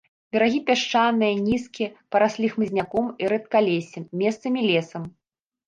Берагі пясчаныя, нізкія, параслі хмызняком і рэдкалессем, месцамі лесам.